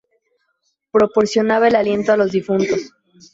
Proporcionaba el aliento a los difuntos.